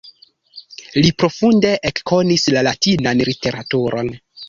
Li funde ekkonis la Latinan literaturon.